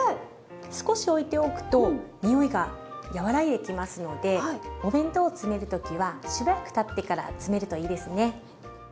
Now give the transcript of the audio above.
少しおいておくと匂いが和らいできますのでお弁当を詰める時はしばらくたってから詰めるといいですね。